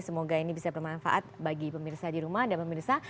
semoga ini bisa bermanfaat bagi pemirsa di rumah dan pemirsa